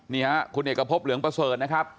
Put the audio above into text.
นี่ฮะคุณเอกพบเหลืองประเสริฐนะครับ